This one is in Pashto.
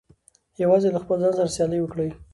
یوازې له خپل ځان سره سیالي وکړئ.